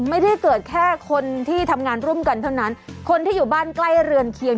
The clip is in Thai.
ไม่ได้เกิดแค่คนที่ทำงานร่วมกันเท่านั้นคนที่อยู่บ้านใกล้เรือนเคียง